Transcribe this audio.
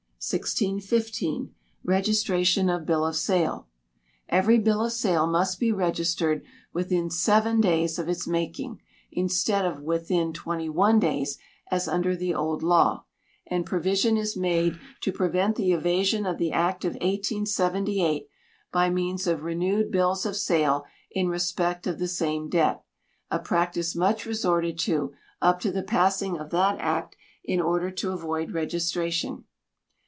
1615. Registration of Bill of Sale. Every bill of sale must be registered within seven days of its making, instead of within twenty one days as under the old law; and provision is made to prevent the evasion of the Act of 1878 by means of renewed bills of sale in respect of the same debt a practice much resorted to up to the passing of that Act in order to avoid registration.